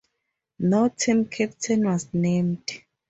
No team captain was named.